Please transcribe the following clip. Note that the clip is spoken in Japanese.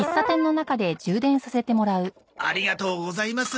ありがとうございます！